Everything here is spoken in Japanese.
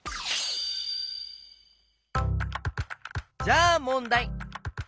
じゃあもんだい。